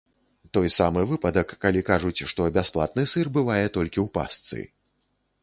Той самы выпадак, калі кажуць, што бясплатны сыр бывае толькі ў пастцы.